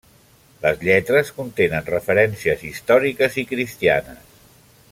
Les lletres contenen referències històriques i cristianes.